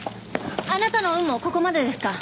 あなたの運もここまでですか？